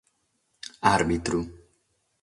Àrbitru.